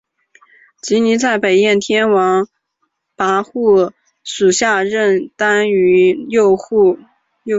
古泥在北燕天王冯跋属下任单于右辅。